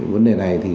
vấn đề này thì